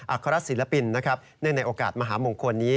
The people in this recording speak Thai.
อัครสิลปินเนื่องในโอกาสมหาหมงควรนี้